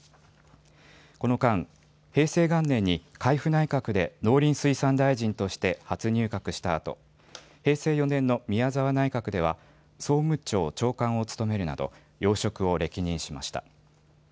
この間、平成元年に海部内閣で農林水産大臣として初入閣したあと平成４年の宮沢内閣では総務庁長官を務めるなど要職を歴任しました。